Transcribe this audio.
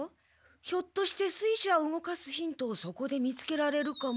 ひょっとして水車を動かすヒントをそこで見つけられるかも。